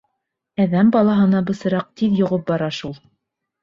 Әҙәм балаһына бысраҡ тиҙ йоғоп бара шул.